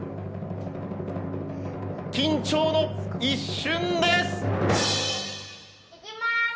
緊張の一瞬です！